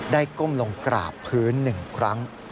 ก้มลงกราบพื้น๑ครั้ง